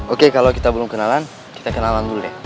oke kalau kita belum kenalan kita kenalan dulu deh